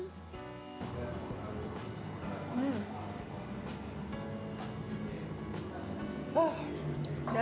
sambal kecombrang dan tempe menduan